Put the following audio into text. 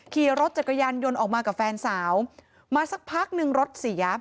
ขี่รถจักรยานยนต์ออกมากับแฟนสาวมาสักพักหนึ่งรถเสีย